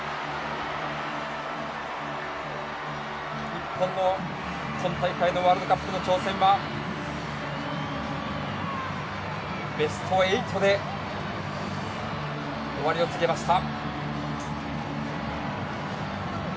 日本の今大会のワールドカップの挑戦はベスト８で終わりを告げました。